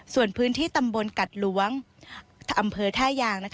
ส่วนพื้นที่ตำบลกัดหลวงอำเภอท่ายาง